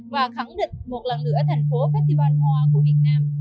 và khẳng định một lần nữa thành phố festival hoa của việt nam